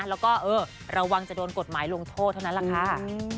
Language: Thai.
แล้วก็เออระวังจะโดนกฎหมายลงโทษเท่านั้นแหละค่ะ